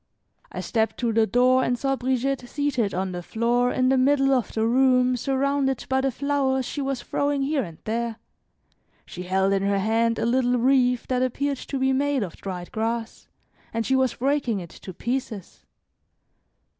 I stepped to the door and saw Brigitte seated on the floor in the middle of the room surrounded by the flowers she was throwing here and there. She held in her hand a little wreath that appeared to be made of dried grass, and she was breaking it to pieces.